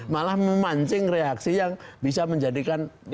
malah memancing reaksi yang bisa menjadikan